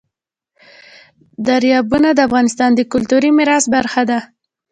دریابونه د افغانستان د کلتوري میراث برخه ده.